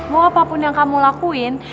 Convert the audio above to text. mau apapun yang kamu lakuin